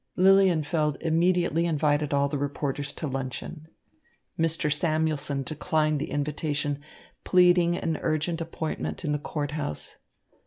Lilienfeld immediately invited all the reporters to luncheon. Mr. Samuelson declined the invitation, pleading an urgent appointment in the Court House.